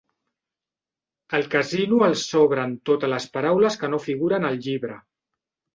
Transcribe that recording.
Al casino els sobren totes les paraules que no figuren al llibre.